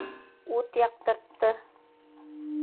Ут яҡтыртты.